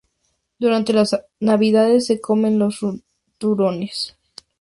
Durante las Navidades se comen los turrones.